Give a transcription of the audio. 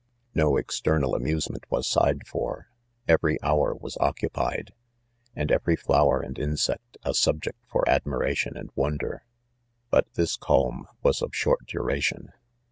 No external amusement was sighed for, every hour was occupied, and every flower and insect a subject for admiration and wonder. 4 But this calm was of short duration.